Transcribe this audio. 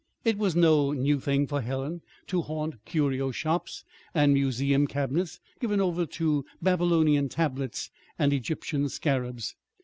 It was no new thing for Helen to haunt curio shops and museum cabinets given over to Babylonian tablets and Egyptian scarabs.